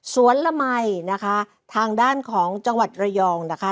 ละมัยนะคะทางด้านของจังหวัดระยองนะคะ